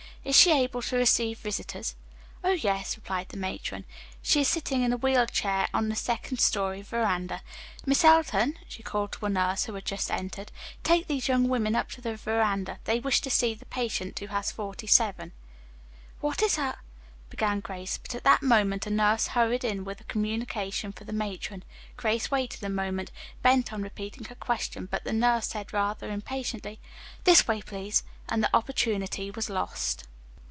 "Is she able to receive visitors?" "Oh, yes," replied the matron. "She is sitting in a wheeled chair on the second story veranda. Miss Elton," she called to a nurse who had just entered, "take these young women up to the veranda, they wish to see the patient who has 47." "What is her " began Grace. But at that moment a nurse hurried in with a communication for the matron. Grace waited a moment, bent on repeating her question, but the nurse said rather impatiently, "This way, please," and the opportunity was lost.